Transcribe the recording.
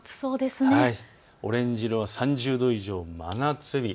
オレンジ色が３０度以上の真夏日。